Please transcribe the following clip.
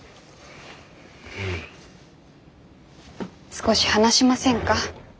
少し話しませんか？